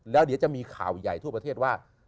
แล้วเดี๋ยวจะมีข่าวใหญ่ทั่วประเทศว่า